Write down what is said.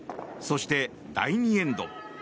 そして、第２エンド。